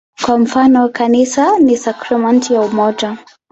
Kwa mfano, "Kanisa ni sakramenti ya umoja".